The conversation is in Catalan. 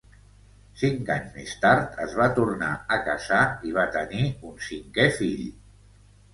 Cinc anys més tard es va tornar a casar i va tenir un cinquè fill.